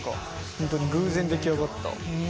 ホントに偶然出来上がった。